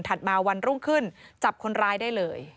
มาวันรุ่งขึ้นจับคนร้ายได้เลย